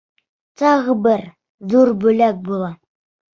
Тағы бер... ҙур бүләк була.